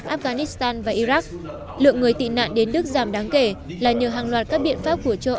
afghanistan và iraq lượng người tị nạn đến đức giảm đáng kể là nhờ hàng loạt các biện pháp của châu âu